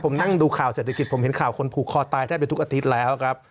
ผมนั่งดูข่าวเศรษฐกิจผมเห็นข่าวคนผูกคอตายได้ไปทุกอาทิตย์แล้วครับ